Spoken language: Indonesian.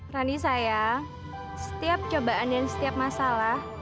rani saya setiap cobaan dan setiap masalah